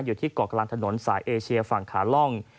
อยู่ที่เกาะกลางถนนสายเอเชียฝั่งขาล่อง